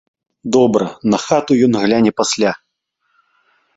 Добра, на хату ён гляне пасля.